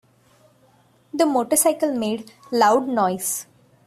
The motorcycle made loud noise.